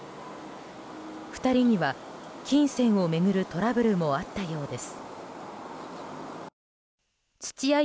２人には金銭を巡るトラブルもあったようです。